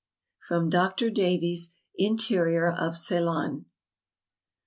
From Dr. Davy's Interior of Ceylon.